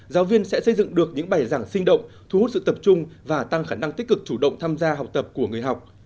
giáo viên sẽ xây dựng được những bài giảng sinh động thu hút sự tập trung và tăng khả năng tích cực chủ động tham gia học tập của người học